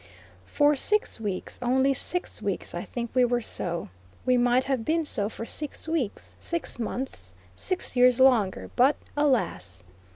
For six weeks, only six weeks, I think we were so. We might have been so for six weeks, six months, six years longer; but alas!